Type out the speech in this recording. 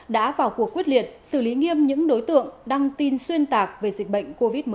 đã vào cuộc quyết liệt xử lý nghiêm những đối tượng đăng tin xuyên tạc về dịch bệnh covid một mươi chín